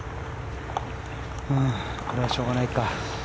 これはしょうがないか。